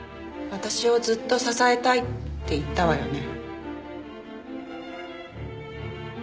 私をずっと支えたいって言ったわよね？